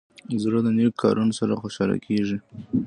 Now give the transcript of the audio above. زړه د نیکو کارونو سره خوشحاله کېږي.